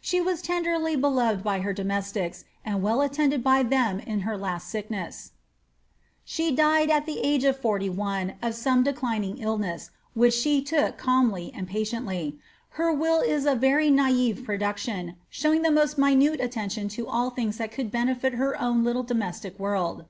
Slie was tenderly beloved by her domeaiics, and *dl atirnded by them in her last sickness She died at tlie age of forty one, of some declinmg dlness, which she took calmly and patiently. Iler will ia a very naicc production, showing the moat minute attention to til things that could benefit her own little domestic world.